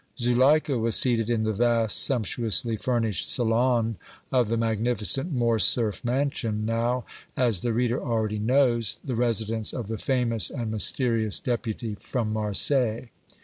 Zuleika was seated in the vast, sumptuously furnished salon of the magnificent Morcerf mansion, now, as the reader already knows, the residence of the famous and mysterious Deputy from Marseilles.